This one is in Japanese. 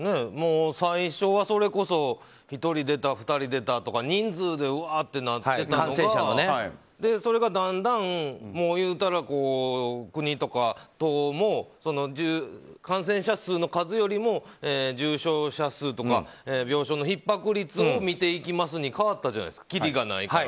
最初はそれこそ１人出た、２人出たとか人数で、うわっとなっていたのがそれがだんだん、言うたら国とか都も感染者数よりも、重症者数とか病床のひっ迫率を見ていきますに変わったじゃないですかきりがないから。